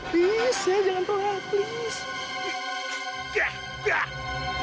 bisa jangan telat please